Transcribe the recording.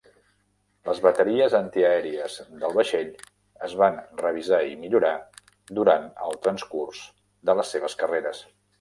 Les bateries antiaèries del vaixell es van revisar i millorar durant el transcurs de les seves carreres.